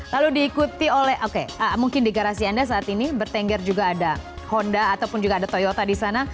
lalu diikuti oleh oke mungkin di garasi anda saat ini bertengger juga ada honda ataupun juga ada toyota di sana